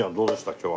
今日は。